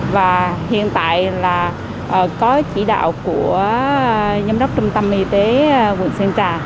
và hiện tại là có chỉ đạo của giám đốc trung tâm y tế quận sơn trà